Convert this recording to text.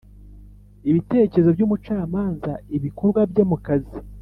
ibitekerezo by umucamanza ibikorwa bye mukazi